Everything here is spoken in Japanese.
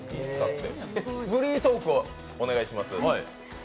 フリートークをお願いします。